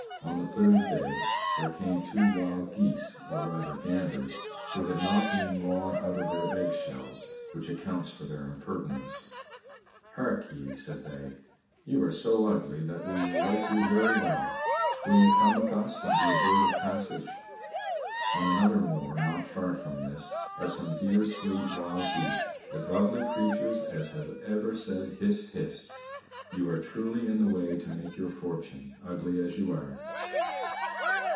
On the third day there came two Wild Geese, or rather Ganders, who had not been long out of their egg shells, which accounts for their impertinence. "Hark ye," said they; "you are so ugly that we like you very well. Will you come with us and be a bird of passage? On another moor, not far from this, are some dear, sweet Wild Geese, as lovely creatures as have ever said 'Hiss, hiss.' You are truly in the way to make your fortune, ugly as you are."